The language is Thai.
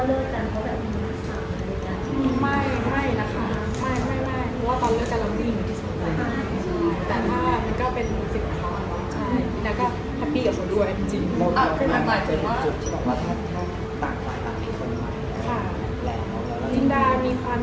อเรนนี่มีความคิดแบบฝรั่งนะคะอาจจะคุยกันตลอดถ้าเค้ามีมันอีกเรามันยังไม่คุยกัน